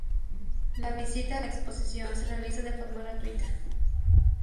La visita a la exposición se realiza de forma gratuita.